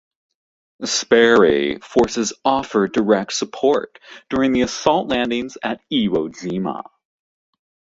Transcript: "Sperry" forces offered direct support during the assault landings at Iwo Jima.